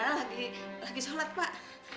ada lagi sholat pak